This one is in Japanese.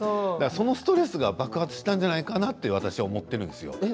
そのストレスが爆発したんじゃないかなと私思っているんですよ。